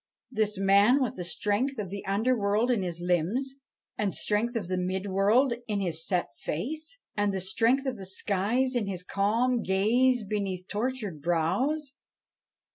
this man with the strength of the under world in his limbs, the strength of the mid world in his set face, and the strength of the skies in his calm gaze beneath tortured brows?